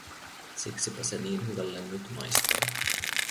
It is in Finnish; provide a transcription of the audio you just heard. Siksipä se niin hyvälle nyt maistui.